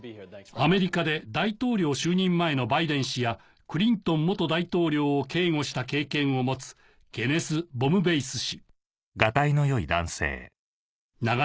アメリカで大統領就任前のバイデン氏やクリントン大統領を警護した経験を持つケネス・ボムベイス氏